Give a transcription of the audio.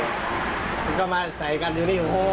ยืนดูมันมันย้อนรถกลับไปรถอีก